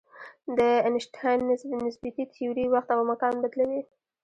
د آینشټاین نسبیتي تیوري وخت او مکان بدلوي.